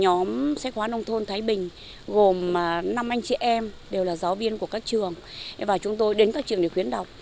nhóm sách hóa nông thôn thái bình gồm năm anh chị em đều là giáo viên của các trường và chúng tôi đến các trường để khuyến đọc